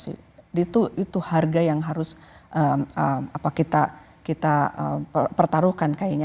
itu harga yang harus kita pertaruhkan kayaknya